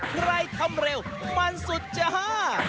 ใครทำเร็วมันสุดจ้า